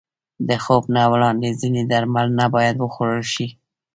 د خوب نه وړاندې ځینې درمل نه باید وخوړل شي.